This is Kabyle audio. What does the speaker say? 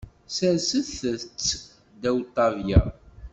Serset-tt ddaw ṭṭabla.